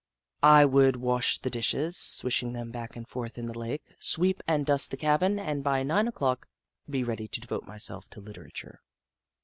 I would wash the dishes, swishing them back and forth in the lake, sweep and dust the cabin, and, by nine o'clock, be ready to devote myself to literature.